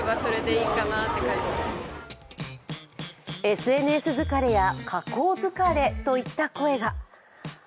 ＳＮＳ疲れや加工疲れといった声が。